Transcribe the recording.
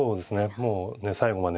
もう最後までね